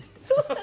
そう。